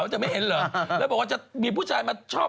จะไม่เห็นเหรอแล้วบอกว่าจะมีผู้ชายมาชอบ